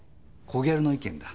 コギャルの意見だ。